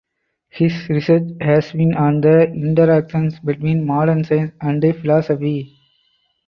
His research has been on the interactions between modern science and philosophy.